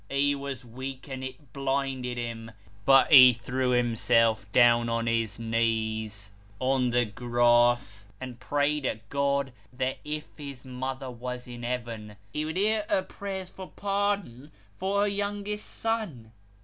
He was weak, and it blinded him, but he threw himself down on his knees, on the grass, and prayed to God, that if his mother was in heaven, He would hear her prayers for pardon for her youngest son.